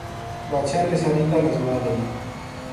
بادشاہ نے ساری گل ازما لئی